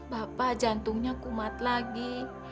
bapak jantungnya kumat lagi